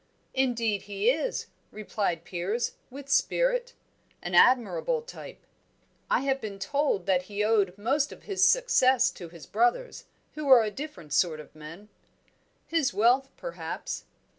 "Indeed he is!" replied Piers, with spirit. "An admirable type." "I have been told that he owed most of his success to his brothers, who are a different sort of men." "His wealth, perhaps."